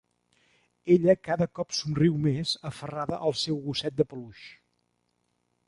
Ella cada cop somriu més, aferrada al seu gosset de peluix.